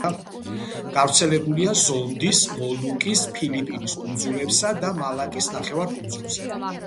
გავრცელებულია ზონდის, მოლუკის, ფილიპინის კუნძულებსა და მალაკის ნახევარკუნძულზე.